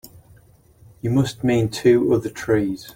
You must mean two other trees.